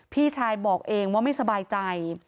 พี่ชายบอกเองว่าไม่สบายใจ